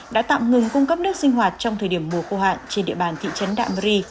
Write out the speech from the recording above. đã tạm ngừng cung cấp nước sinh hoạt trong thời điểm mùa khô hạn trên địa bàn thị trấn đạ mơ ri